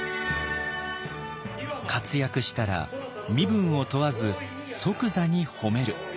活躍したら身分を問わず即座に褒める。